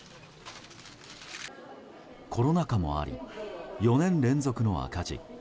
コロナ禍もあり４年連続の赤字。